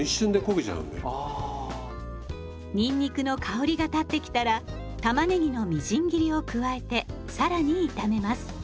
にんにくの香りが立ってきたらたまねぎのみじん切りを加えて更に炒めます。